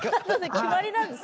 決まりなんですね。